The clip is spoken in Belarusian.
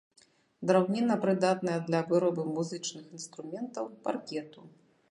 Драўніна прыдатная для вырабу музычных інструментаў, паркету.